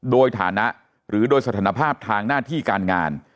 โดยฐานะหรือโดยสถานภาพทางหน้าที่การงาน